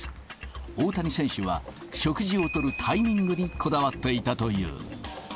大谷選手は、食事を取るタイミングにこだわっていたという。